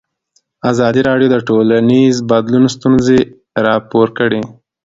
ازادي راډیو د ټولنیز بدلون ستونزې راپور کړي.